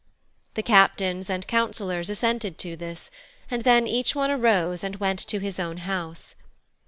The Captains and Councillors assented to this, and then each one arose and went to his own house.